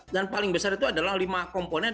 dan paling besar itu adalah lima komponen